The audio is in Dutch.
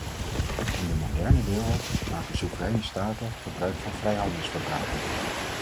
In de moderne wereld maken soevereine staten gebruik van vrijhandelsverdragen.